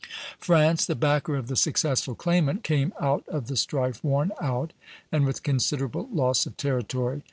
France, the backer of the successful claimant, came out of the strife worn out, and with considerable loss of territory.